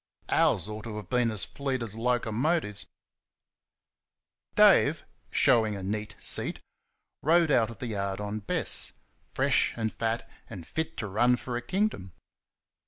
OURS ought to have been fleet as locomotives. Dave, showing a neat seat, rode out of the yard on Bess, fresh and fat and fit to run for a kingdom.